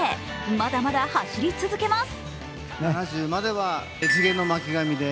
まだまだ走り続けます。